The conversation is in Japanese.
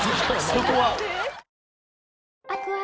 ⁉そこは。